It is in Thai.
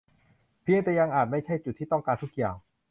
เพียงแต่อาจยังไม่ใช่จุดที่ต้องการทุกอย่าง